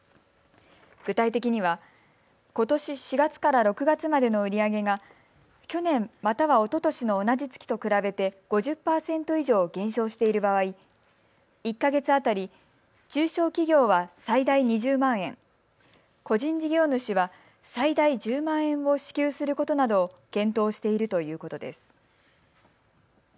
具体的にはことし４月から６月までの売り上げが去年、またはおととしの同じ月と比べて５０％以上減少している場合、１か月当たり中小企業は最大２０万円、個人事業主は最大１０万円を支給することなどを検討しているということです。